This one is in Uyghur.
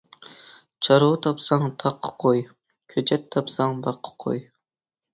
چارۋا تاپساڭ تاغقا قوي، كۆچەت تاپساڭ باغقا قوي.